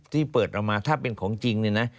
ที่เปิดออกมาถ้าเป็นของจริงเนี่ยนะ